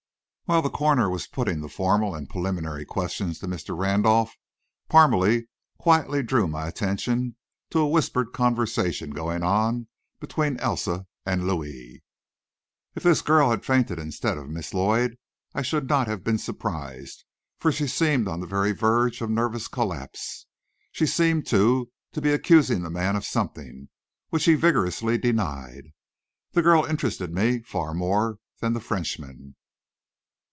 While the coroner was putting the formal and preliminary questions to Mr. Randolph, Parmalee quietly drew my attention to a whispered conversation going on between Elsa and Louis. If this girl had fainted instead of Miss Lloyd, I should not have been surprised for she seemed on the very verge of nervous collapse. She seemed, too, to be accusing the man of something, which he vigorously denied. The girl interested me far more than the Frenchman.